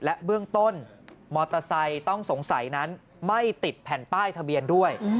และเบื้องต้นมอเตอร์ไซค์ต้องสงสัยนั้นไม่ติดแผ่นป้ายทะเบียนด้วย